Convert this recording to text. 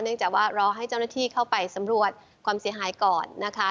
จากว่ารอให้เจ้าหน้าที่เข้าไปสำรวจความเสียหายก่อนนะคะ